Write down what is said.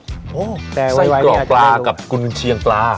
ไซ่กรอกไซ่กรอกปลากับกุญเชียงปลา